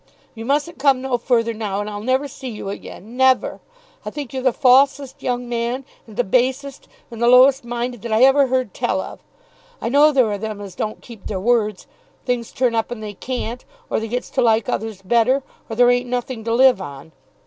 "You mustn't come no further now, and I'll never see you again never! I think you're the falsest young man, and the basest, and the lowest minded that I ever heard tell of. I know there are them as don't keep their words. Things turn up, and they can't. Or they gets to like others better; or there ain't nothing to live on.